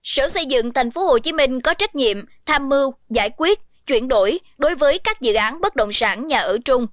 sở xây dựng tp hcm có trách nhiệm tham mưu giải quyết chuyển đổi đối với các dự án bất động sản nhà ở trung